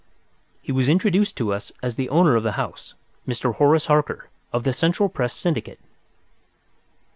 He was introduced to us as the owner of the house—Mr. Horace Harker, of the Central Press Syndicate.